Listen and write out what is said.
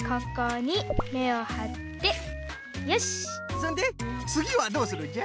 そんでつぎはどうするんじゃ？